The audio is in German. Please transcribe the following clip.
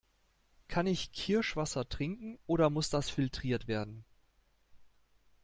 Kann ich Kirschwasser trinken oder muss das filtriert werden?